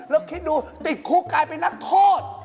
แล้วคิดดูติดคุกกลายเป็นนักโทษ